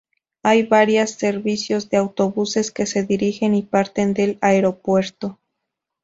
Hay varias servicios de autobuses que se dirigen y parten del aeropuerto.